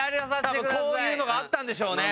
多分こういうのがあったんでしょうね